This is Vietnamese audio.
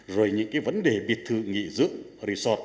rồi những vấn đề biệt thự nghị dưỡng resort